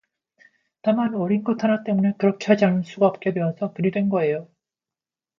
다만 어린것 하나 때문에 그렇게 하지 않을 수가 없게 되어서 그리 된 거예요.